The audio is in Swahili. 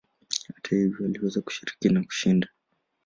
Hata hivyo aliweza kushiriki na kushinda.